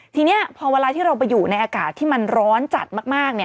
ทีนี้พอเวลาที่เราไปอยู่ในอากาศที่มันร้อนจัดมาก